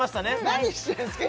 何してるんですか？